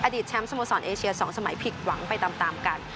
แชมป์สโมสรเอเชีย๒สมัยผิดหวังไปตามกัน